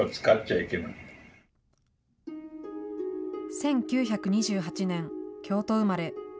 １９２８年、京都生まれ。